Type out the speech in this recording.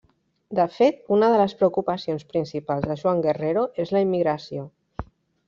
De fet, una de les preocupacions principals de Joan Guerrero és la immigració.